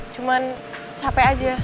cuman capek aja